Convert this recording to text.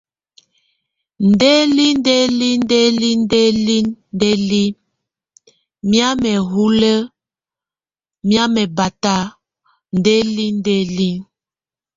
Ndelindelíndelindelindeli, míamɛhúle, miamɛ báta, ndelindelíndeli.